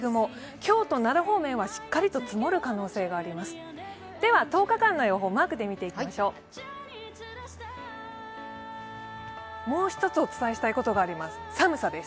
京都・奈良方面はしっかりと積もる予想があります。